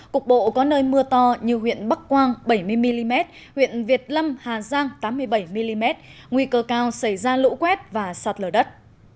cục bộ có nơi mưa to như huyện bắc quang bảy mươi mm huyện việt lâm hà giang tám mươi bảy mm nguy cơ cao xảy ra lũ quét và sạt lở đất